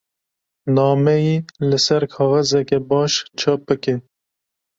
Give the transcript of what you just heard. Nameyê li ser kaxezeke baş çap bike.